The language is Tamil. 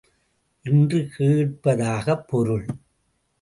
என்று கேட்பதாகப் பொருள்.